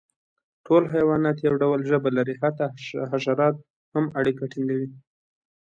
ټول حیوانات یو ډول ژبه لري، حتی حشرات هم اړیکه ټینګوي.